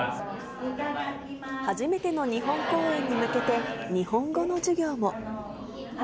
初めての日本公演に向けて、日本語の授業も。